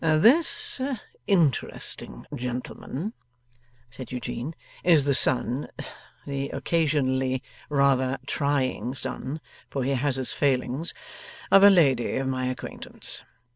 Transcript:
'This interesting gentleman,' said Eugene, 'is the son the occasionally rather trying son, for he has his failings of a lady of my acquaintance.